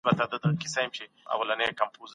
سید جمال الدین افغاني